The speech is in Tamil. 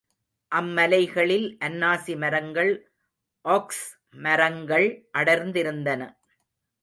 அம்மலைகளில் அன்னாசி மரங்கள், ஒக்ஸ் மரங்கள் அடர்ந்திருந்தன.